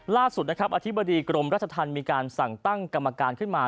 ล่าสุดนะครับอธิบดีกรมราชธรรมมีการสั่งตั้งกรรมการขึ้นมา